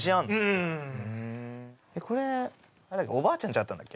うんこれおばあちゃんちあったんだっけ？